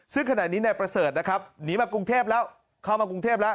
ซึ่งขณะนี้นายประเสริฐนะครับหนีมากรุงเทพแล้วเข้ามากรุงเทพแล้ว